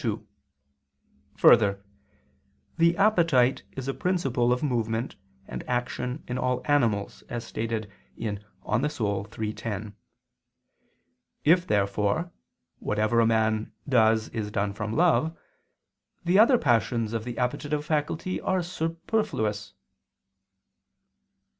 2: Further, the appetite is a principle of movement and action in all animals, as stated in De Anima iii, 10. If, therefore, whatever a man does is done from love, the other passions of the appetitive faculty are superfluous.